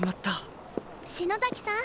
篠崎さん。